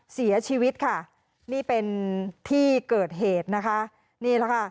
เสียชีวิตค่ะนี่เป็นที่เกิดเหตุนะคะนี่แหละค่ะ